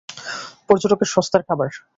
পর্যটকদের সস্তার খাবার।